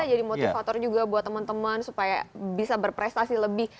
jadi motivator juga buat temen temen supaya bisa berprestasi lebih